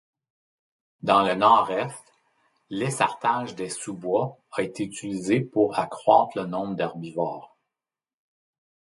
Dans le Nord-Est, l'essartage des sous-bois a été utilisé pour accroître le nombre d'herbivores.